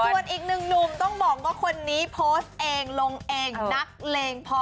ส่วนอีกหนึ่งหนุ่มต้องบอกว่าคนนี้โพสต์เองลงเองนักเลงพอ